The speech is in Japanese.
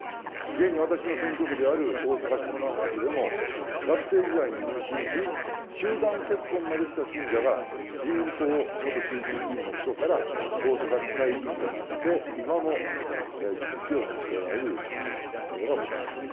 現に私の選挙区である大阪市此花区でも、学生時代に入信し、集団結婚までした信者が、自民党元衆議院議員の秘書から大阪市会議員となって、今も議席を持っておられる実例がございます。